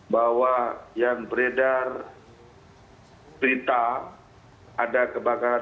bahwa yang beredar berita ada kebakaran